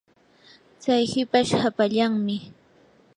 tsay hipash hapallanmi.